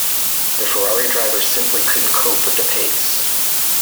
The Ferrari drivers simply couldn't cope with the pace.